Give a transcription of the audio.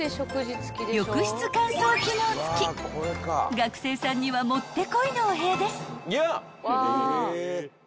［学生さんにはもってこいのお部屋です］